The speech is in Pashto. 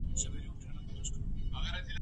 لکه ښه ورځ چي یې هیڅ نه وي لیدلې !.